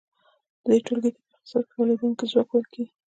دې ټولګې ته په اقتصاد کې تولیدونکی ځواک ویل کیږي.